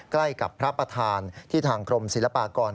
ใกล้กับพระประธานที่ทางกรมศิลปากร